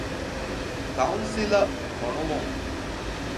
ކައުންސިލަށް ފޮނުވުން.